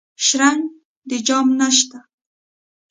شرنګ د جام نشته